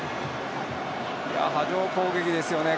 波状攻撃ですよね